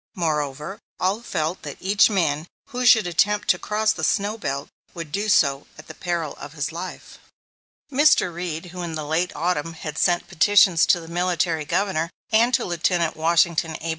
Moreover, all felt that each man who should attempt to cross the snow belt would do so at the peril of his life. Mr. Reed, who in the late Autumn had sent petitions to the Military Governor and to Lieutenant Washington A.